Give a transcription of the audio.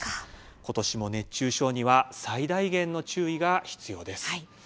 今年も熱中症には最大限の注意が必要です。